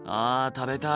食べたい。